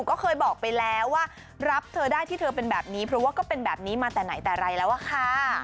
ก็เคยบอกไปแล้วว่ารับเธอได้ที่เธอเป็นแบบนี้เพราะว่าก็เป็นแบบนี้มาแต่ไหนแต่ไรแล้วอะค่ะ